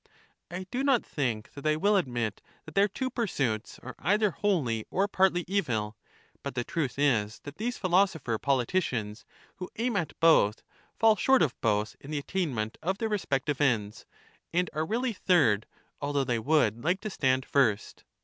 I do not think that they will admit that their two pursuits are either wholly or partly evil; but the truth is, that these philosopher politicians who aim at both fall short of both in the attainment of their respective ends, and are really third, although they would like to stand first.